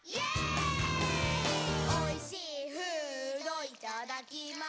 「おいしーフードいただきます」